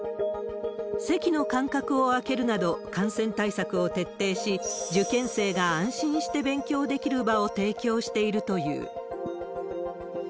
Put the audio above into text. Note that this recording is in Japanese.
席の間隔を空けるなど、感染対策を徹底し、受験生が安心して勉強できる場を提供しているという。